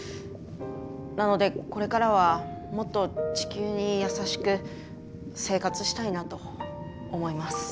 なのでこれからはもっと地球に優しく生活したいなと思います。